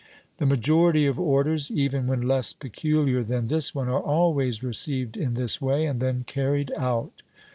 The majority of Orders, even when less peculiar than this one, are always received in this way and then carried out.